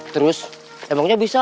terus emangnya bisa